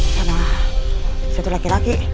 sama satu laki laki